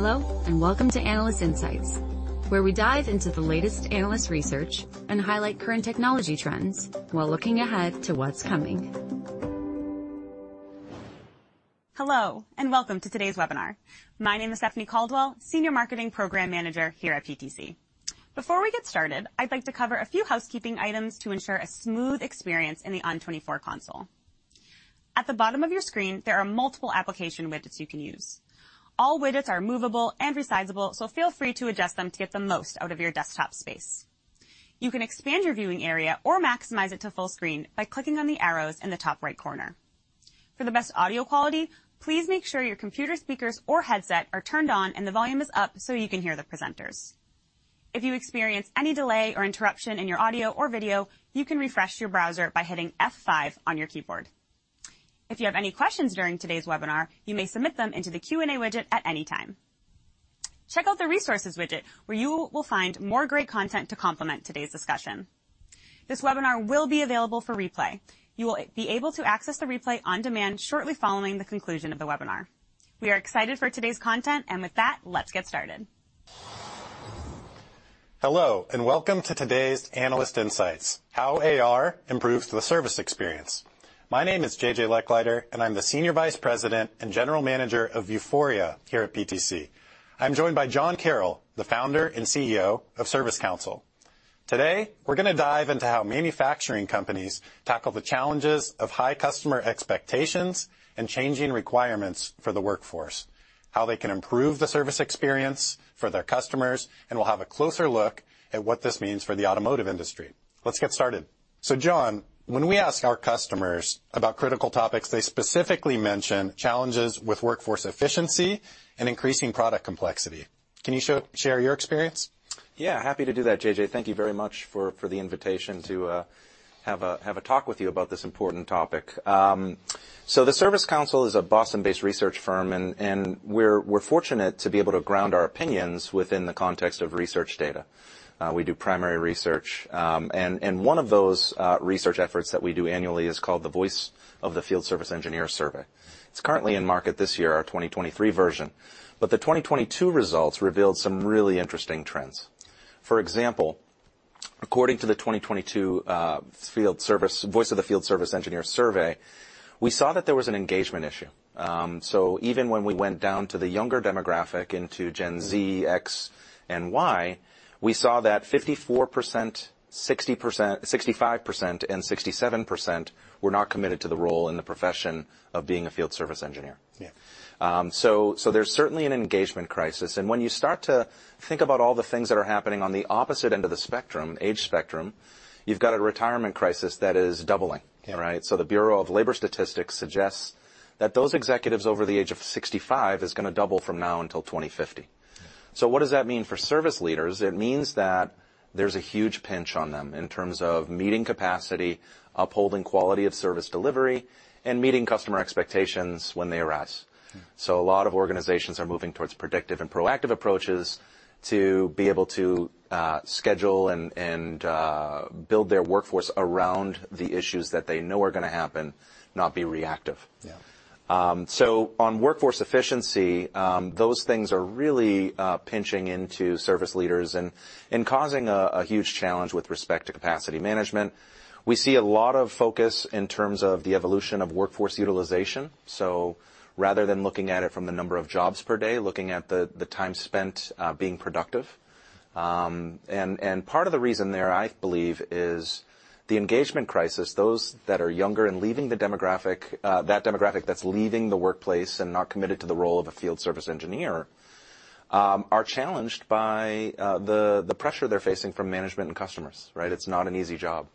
Hello, and welcome to Analyst Insights, where we dive into the latest analyst research and highlight current technology trends while looking ahead to what's coming. Hello, and welcome to today's webinar. My name is Stephanie Caldwell, Senior Marketing Program Manager here at PTC. Before we get started, I'd like to cover a few housekeeping items to ensure a smooth experience in the ON24 console. At the bottom of your screen, there are multiple application widgets you can use. All widgets are movable and resizable, so feel free to adjust them to get the most out of your desktop space. You can expand your viewing area or maximize it to full screen by clicking on the arrows in the top right corner. For the best audio quality, please make sure your computer speakers or headset are turned on and the volume is up so you can hear the presenters. If you experience any delay or interruption in your audio or video, you can refresh your browser by hitting F5 on your keyboard. If you have any questions during today's webinar, you may submit them into the Q&A widget at any time. Check out the Resources widget, where you will find more great content to complement today's discussion. This webinar will be available for replay. You will be able to access the replay on demand shortly following the conclusion of the webinar. We are excited for today's content, and with that, let's get started. Hello, and welcome to today's Analyst Insights, How AR Improves the Service Experience. My name is JJ Lechleiter, and I'm the Senior Vice President and General Manager of Vuforia here at PTC. I'm joined by John Carroll, the Founder and CEO of Service Council. Today, we're going to dive into how manufacturing companies tackle the challenges of high customer expectations and changing requirements for the workforce, how they can improve the service experience for their customers, and we'll have a closer look at what this means for the automotive industry. Let's get started. John, when we ask our customers about critical topics, they specifically mention challenges with workforce efficiency and increasing product complexity. Can you share your experience? Yeah, happy to do that, JJ Thank you very much for the invitation to have a talk with you about this important topic. The Service Council is a Boston-based research firm, and we're fortunate to be able to ground our opinions within the context of research data. We do primary research, and one of those research efforts that we do annually is called the Voice of the Field Service Engineer Survey. It's currently in market this year, our 2023 version. The 2022 results revealed some really interesting trends. For example, according to the 2022 Voice of the Field Service Engineer Survey, we saw that there was an engagement issue. Even when we went down to the younger demographic, into Gen Z, X, and Y, we saw that 54%, 60%, 65%, and 67% were not committed to the role in the profession of being a field service engineer. There is certainly an engagement crisis. When you start to think about all the things that are happening on the opposite end of the spectrum, age spectrum, you have a retirement crisis that is doubling. The Bureau of Labor Statistics suggests that those executives over the age of 65 are going to double from now until 2050. What does that mean for service leaders? It means that there is a huge pinch on them in terms of meeting capacity, upholding quality of service delivery, and meeting customer expectations when they arise. A lot of organizations are moving towards predictive and proactive approaches to be able to schedule and build their workforce around the issues that they know are going to happen, not be reactive. On workforce efficiency, those things are really pinching into service leaders and causing a huge challenge with respect to capacity management. We see a lot of focus in terms of the evolution of workforce utilization. Rather than looking at it from the number of jobs per day, looking at the time spent being productive. Part of the reason there, I believe, is the engagement crisis. Those that are younger and leaving the demographic, that demographic that's leaving the workplace and not committed to the role of a field service engineer, are challenged by the pressure they're facing from management and customers. It's not an easy job.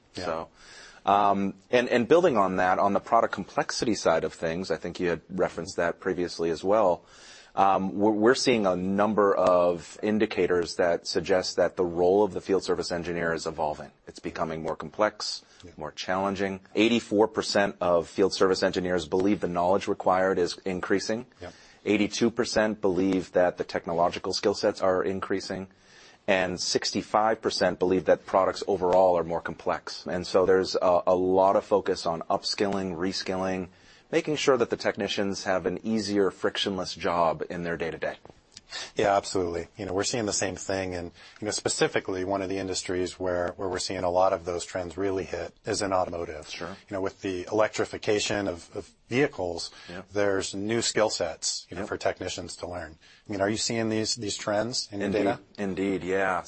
Building on that, on the product complexity side of things, I think you had referenced that previously as well, we're seeing a number of indicators that suggest that the role of the field service engineer is evolving. It's becoming more complex, more challenging. 84% of field service engineers believe the knowledge required is increasing. 82% believe that the technological skill sets are increasing. 65% believe that products overall are more complex. There is a lot of focus on upskilling, reskilling, making sure that the technicians have an easier, frictionless job in their day-to-day. Yeah, absolutely. We're seeing the same thing. Specifically, one of the industries where we're seeing a lot of those trends really hit is in automotive. With the electrification of vehicles, there's new skill sets for technicians to learn. Are you seeing these trends in data? Indeed, yeah.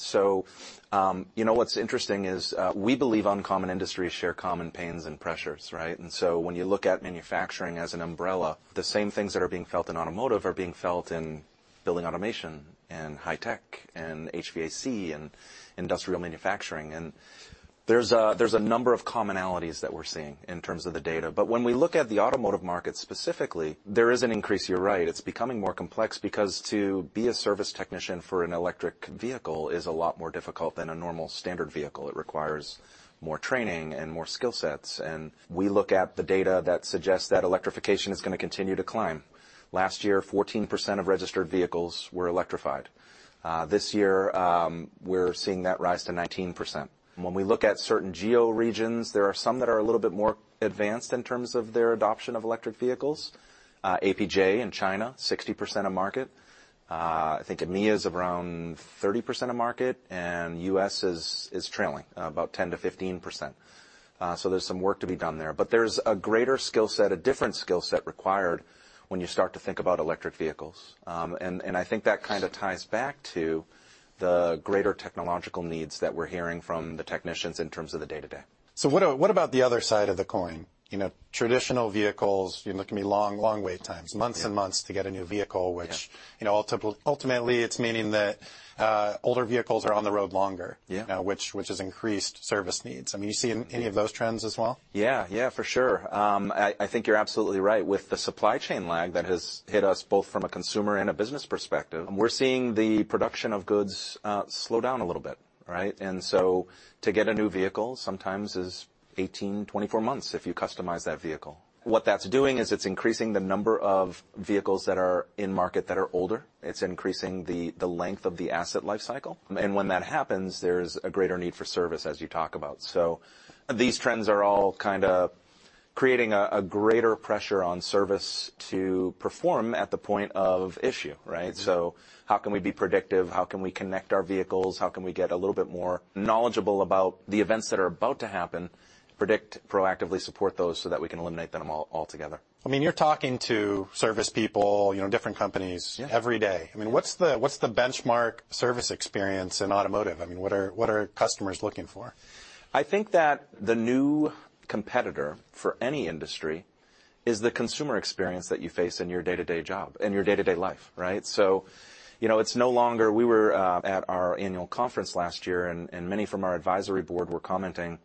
You know what's interesting is we believe uncommon industries share common pains and pressures. When you look at manufacturing as an umbrella, the same things that are being felt in automotive are being felt in building automation and high-tech and HVAC and industrial manufacturing. There are a number of commonalities that we're seeing in terms of the data. When we look at the automotive market specifically, there is an increase, you're right. It's becoming more complex because to be a service technician for an electric vehicle is a lot more difficult than a normal standard vehicle. It requires more training and more skill sets. We look at the data that suggests that electrification is going to continue to climb. Last year, 14% of registered vehicles were electrified. This year, we're seeing that rise to 19%. When we look at certain geo-regions, there are some that are a little bit more advanced in terms of their adoption of electric vehicles. APJ in China, 60% of market. I think EMEA is around 30% of market. The U.S. is trailing, about 10%-15%. There is some work to be done there. There is a greater skill set, a different skill set required when you start to think about electric vehicles. I think that kind of ties back to the greater technological needs that we're hearing from the technicians in terms of the day-to-day. What about the other side of the coin? Traditional vehicles, there can be long wait times, months and months to get a new vehicle, which ultimately it's meaning that older vehicles are on the road longer, which has increased service needs. I mean, you see any of those trends as well? Yeah, yeah, for sure. I think you're absolutely right. With the supply chain lag that has hit us both from a consumer and a business perspective, we're seeing the production of goods slow down a little bit. To get a new vehicle sometimes is 18, 24 months if you customize that vehicle. What that's doing is it's increasing the number of vehicles that are in market that are older. It's increasing the length of the asset lifecycle. When that happens, there's a greater need for service, as you talk about. These trends are all kind of creating a greater pressure on service to perform at the point of issue. How can we be predictive? How can we connect our vehicles? How can we get a little bit more knowledgeable about the events that are about to happen, predict, proactively support those so that we can eliminate them altogether? I mean, you're talking to service people, different companies every day. I mean, what's the benchmark service experience in automotive? I mean, what are customers looking for? I think that the new competitor for any industry is the consumer experience that you face in your day-to-day job and your day-to-day life. It's no longer we were at our annual conference last year, and many from our advisory board were commenting,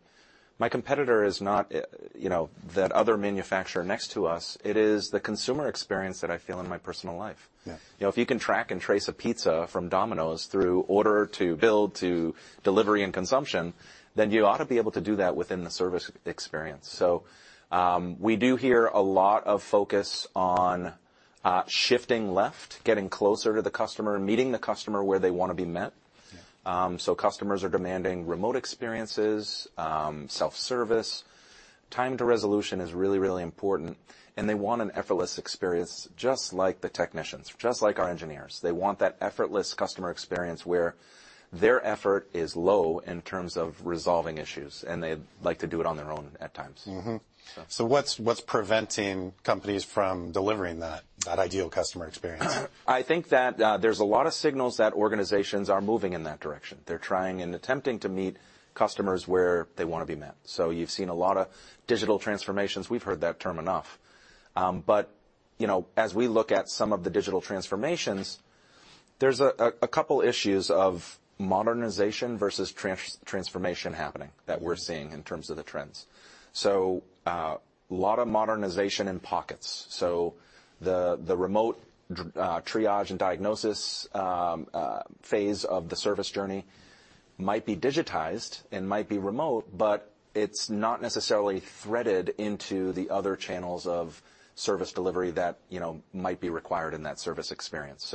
"My competitor is not that other manufacturer next to us. It is the consumer experience that I feel in my personal life." If you can track and trace a pizza from Domino's through order to build to delivery and consumption, you ought to be able to do that within the service experience. We do hear a lot of focus on shifting left, getting closer to the customer, meeting the customer where they want to be met. Customers are demanding remote experiences, self-service. Time to resolution is really, really important. They want an effortless experience, just like the technicians, just like our engineers. They want that effortless customer experience where their effort is low in terms of resolving issues, and they like to do it on their own at times. What's preventing companies from delivering that ideal customer experience? I think that there's a lot of signals that organizations are moving in that direction. They're trying and attempting to meet customers where they want to be met. You know, you've seen a lot of digital transformations. We've heard that term enough. As we look at some of the digital transformations, there's a couple of issues of modernization versus transformation happening that we're seeing in terms of the trends. A lot of modernization in pockets. The remote triage and diagnosis phase of the service journey might be digitized and might be remote, but it's not necessarily threaded into the other channels of service delivery that might be required in that service experience.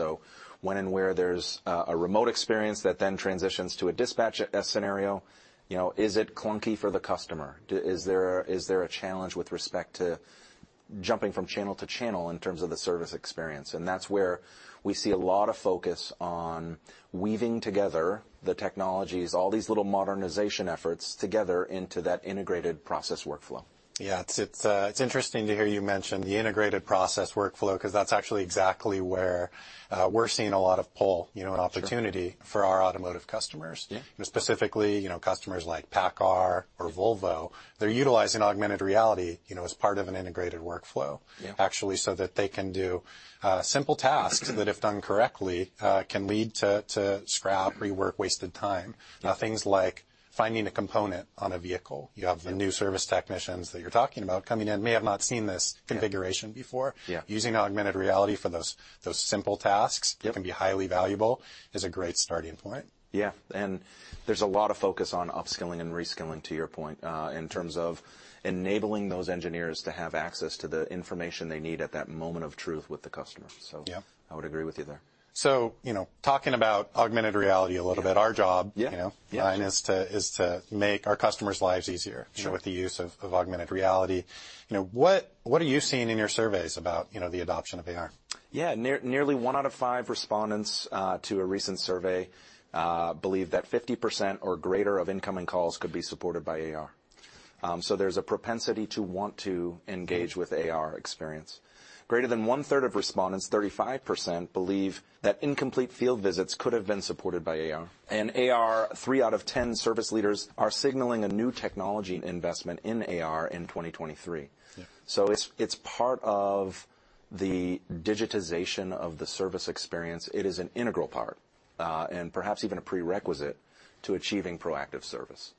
When and where there's a remote experience that then transitions to a dispatch scenario, is it clunky for the customer? Is there a challenge with respect to jumping from channel to channel in terms of the service experience? That is where we see a lot of focus on weaving together the technologies, all these little modernization efforts together into that integrated process workflow. Yeah, it's interesting to hear you mention the integrated process workflow because that's actually exactly where we're seeing a lot of pull and opportunity for our automotive customers. Specifically, customers like PACCAR or Volvo, they're utilizing augmented reality as part of an integrated workflow, actually, so that they can do simple tasks that, if done incorrectly, can lead to scrap, rework, wasted time. Things like finding a component on a vehicle. You have the new service technicians that you're talking about coming in. May have not seen this configuration before. Using augmented reality for those simple tasks can be highly valuable, is a great starting point. Yeah. There is a lot of focus on upskilling and reskilling, to your point, in terms of enabling those engineers to have access to the information they need at that moment of truth with the customer. I would agree with you there. Talking about augmented reality a little bit, our job is to make our customers' lives easier with the use of augmented reality. What are you seeing in your surveys about the adoption of AR? Yeah, nearly one out of five respondents to a recent survey believe that 50% or greater of incoming calls could be supported by AR. There is a propensity to want to engage with AR experience. Greater than one-third of respondents, 35%, believe that incomplete field visits could have been supported by AR. AR, three out of 10 service leaders are signaling a new technology investment in AR in 2023. It is part of the digitization of the service experience. It is an integral part and perhaps even a prerequisite to achieving proactive service.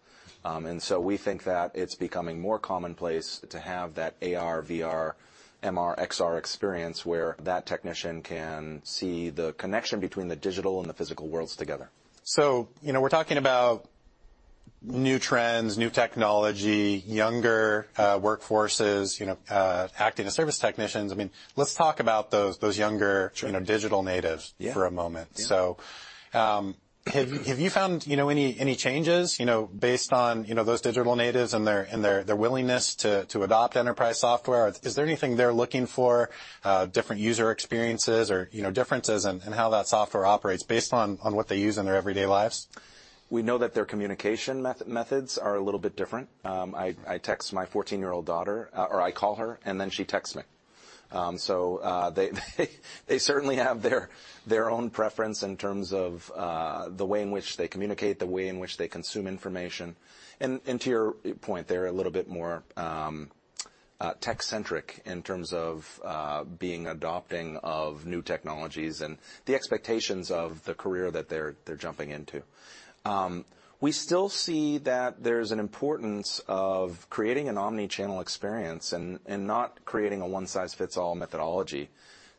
We think that it is becoming more commonplace to have that AR, VR, MR, XR experience where that technician can see the connection between the digital and the physical worlds together. We're talking about new trends, new technology, younger workforces, acting as service technicians. I mean, let's talk about those younger digital natives for a moment. Have you found any changes based on those digital natives and their willingness to adopt enterprise software? Is there anything they're looking for, different user experiences or differences in how that software operates based on what they use in their everyday lives? We know that their communication methods are a little bit different. I text my 14-year-old daughter, or I call her, and then she texts me. They certainly have their own preference in terms of the way in which they communicate, the way in which they consume information. To your point, they're a little bit more tech-centric in terms of being adopting of new technologies and the expectations of the career that they're jumping into. We still see that there's an importance of creating an omnichannel experience and not creating a one-size-fits-all methodology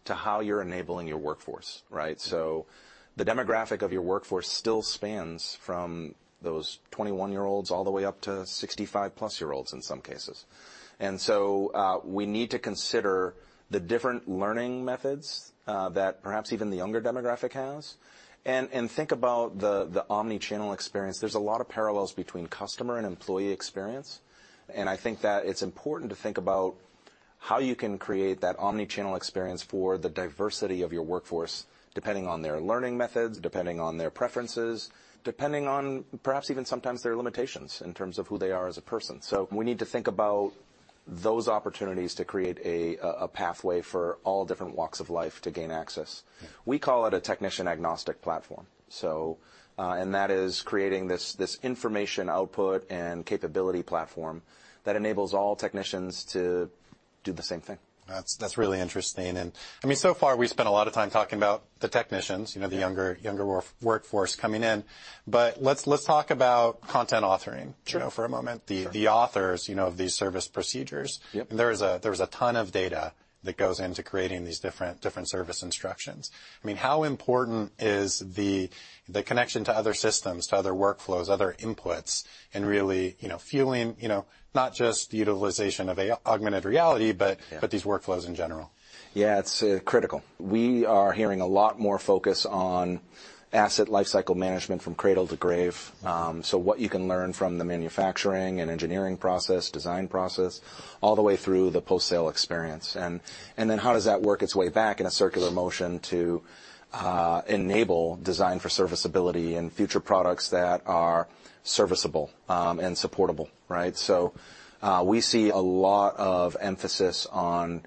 to how you're enabling your workforce. The demographic of your workforce still spans from those 21-year-olds all the way up to 65-plus-year-olds in some cases. We need to consider the different learning methods that perhaps even the younger demographic has. Think about the omnichannel experience. are a lot of parallels between customer and employee experience. I think that it's important to think about how you can create that omnichannel experience for the diversity of your workforce, depending on their learning methods, depending on their preferences, depending on perhaps even sometimes their limitations in terms of who they are as a person. We need to think about those opportunities to create a pathway for all different walks of life to gain access. We call it a technician-agnostic platform. That is creating this information output and capability platform that enables all technicians to do the same thing. That's really interesting. I mean, so far, we spent a lot of time talking about the technicians, the younger workforce coming in. Let's talk about content authoring for a moment, the authors of these service procedures. There's a ton of data that goes into creating these different service instructions. I mean, how important is the connection to other systems, to other workflows, other inputs, and really fueling not just the utilization of augmented reality, but these workflows in general? Yeah, it's critical. We are hearing a lot more focus on asset lifecycle management from cradle to grave. What you can learn from the manufacturing and engineering process, design process, all the way through the post-sale experience. How does that work its way back in a circular motion to enable design for serviceability and future products that are serviceable and supportable? We see a lot of emphasis on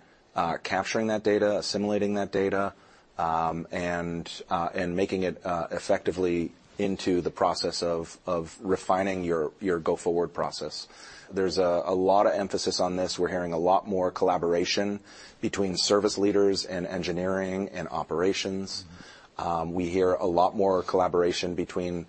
capturing that data, assimilating that data, and making it effectively into the process of refining your go-forward process. There's a lot of emphasis on this. We're hearing a lot more collaboration between service leaders and engineering and operations. We hear a lot more collaboration between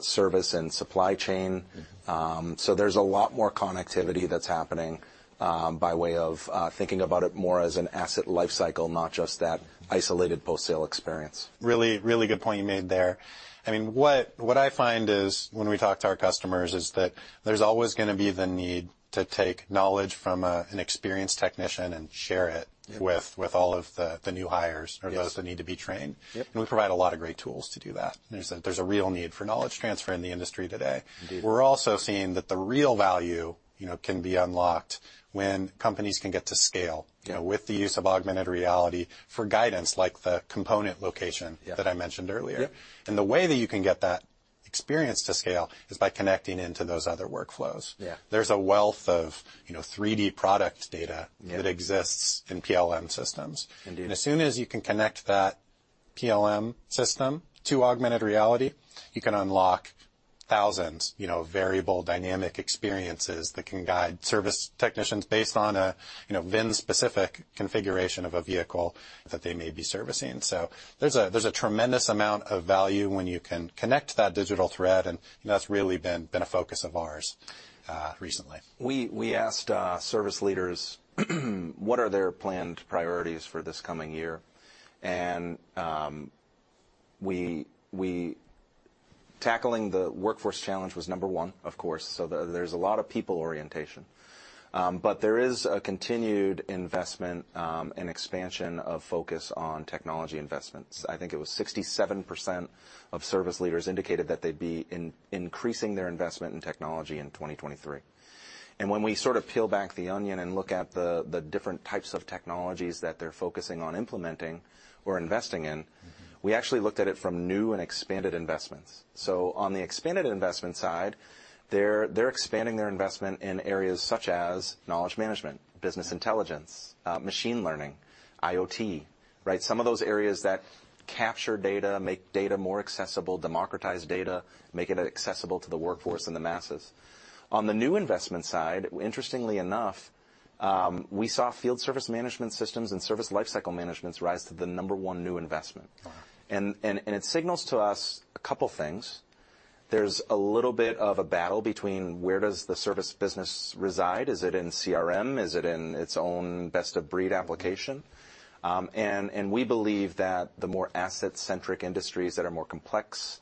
service and supply chain. There's a lot more connectivity that's happening by way of thinking about it more as an asset lifecycle, not just that isolated post-sale experience. Really, really good point you made there. I mean, what I find is when we talk to our customers is that there's always going to be the need to take knowledge from an experienced technician and share it with all of the new hires or those that need to be trained. And we provide a lot of great tools to do that. There's a real need for knowledge transfer in the industry today. We're also seeing that the real value can be unlocked when companies can get to scale with the use of augmented reality for guidance, like the component location that I mentioned earlier. The way that you can get that experience to scale is by connecting into those other workflows. There's a wealth of 3D product data that exists in PLM systems. As soon as you can connect that PLM system to augmented reality, you can unlock thousands of variable dynamic experiences that can guide service technicians based on a VIN-specific configuration of a vehicle that they may be servicing. There is a tremendous amount of value when you can connect that digital thread. That has really been a focus of ours recently. We asked service leaders what are their planned priorities for this coming year. Tackling the workforce challenge was number one, of course. There is a lot of people orientation. There is a continued investment and expansion of focus on technology investments. I think it was 67% of service leaders indicated that they'd be increasing their investment in technology in 2023. When we sort of peel back the onion and look at the different types of technologies that they're focusing on implementing or investing in, we actually looked at it from new and expanded investments. On the expanded investment side, they're expanding their investment in areas such as knowledge management, business intelligence, machine learning, IoT, some of those areas that capture data, make data more accessible, democratize data, make it accessible to the workforce and the masses. On the new investment side, interestingly enough, we saw field service management systems and service lifecycle management rise to the number one new investment. It signals to us a couple of things. There's a little bit of a battle between where does the service business reside. Is it in CRM? Is it in its own best-of-breed application? We believe that the more asset-centric industries that are more complex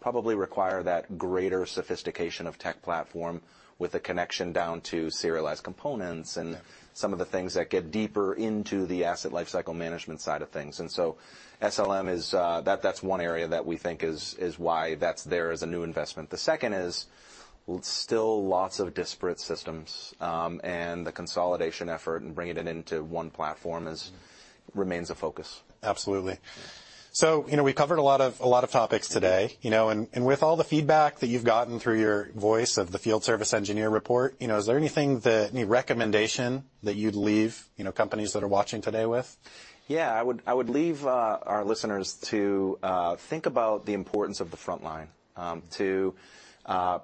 probably require that greater sophistication of tech platform with a connection down to serialized components and some of the things that get deeper into the asset lifecycle management side of things. SLM, that's one area that we think is why that's there as a new investment. The second is still lots of disparate systems. The consolidation effort and bringing it into one platform remains a focus. Absolutely. We covered a lot of topics today. With all the feedback that you've gotten through your Voice of the Field Service Engineer Report, is there anything, any recommendation that you'd leave companies that are watching today with? Yeah, I would leave our listeners to think about the importance of the front line, to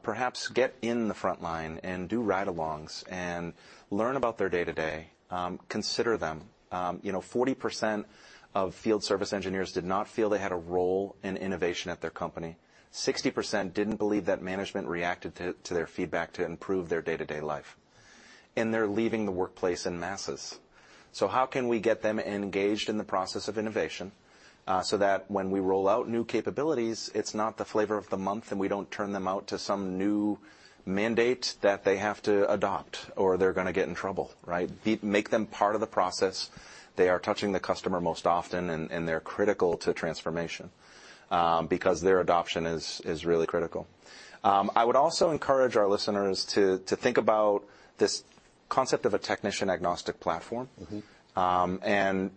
perhaps get in the front line and do ride-alongs and learn about their day-to-day, consider them. 40% of field service engineers did not feel they had a role in innovation at their company. 60% didn't believe that management reacted to their feedback to improve their day-to-day life. They're leaving the workplace in masses. How can we get them engaged in the process of innovation so that when we roll out new capabilities, it's not the flavor of the month and we don't turn them out to some new mandate that they have to adopt or they're going to get in trouble? Make them part of the process. They are touching the customer most often, and they're critical to transformation because their adoption is really critical. I would also encourage our listeners to think about this concept of a technician-agnostic platform.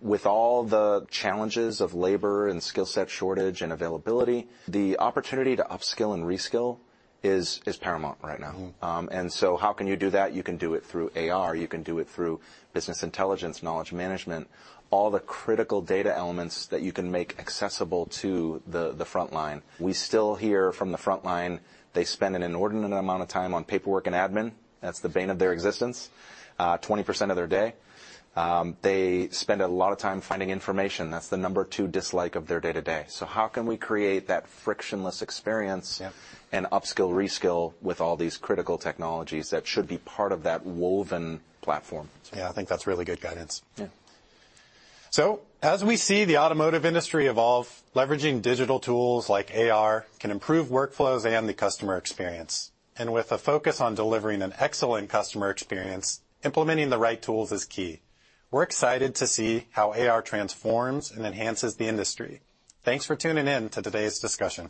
With all the challenges of labor and skill set shortage and availability, the opportunity to upskill and reskill is paramount right now. How can you do that? You can do it through AR. You can do it through business intelligence, knowledge management, all the critical data elements that you can make accessible to the front line. We still hear from the front line, they spend an inordinate amount of time on paperwork and admin. That's the bane of their existence, 20% of their day. They spend a lot of time finding information. That's the number two dislike of their day-to-day. How can we create that frictionless experience and upskill, reskill with all these critical technologies that should be part of that woven platform? I think that's really good guidance. As we see the automotive industry evolve, leveraging digital tools like AR can improve workflows and the customer experience. With a focus on delivering an excellent customer experience, implementing the right tools is key. We're excited to see how AR transforms and enhances the industry. Thanks for tuning in to today's discussion.